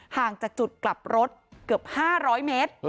ห่างจากจุดกลับรถเกือบ๕๐๐เมตร